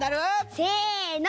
せの。